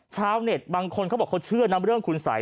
ชาวเน็ตบางคนเขาบอกเขาเชื่อนะเรื่องคุณสัย